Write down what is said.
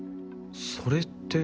それって。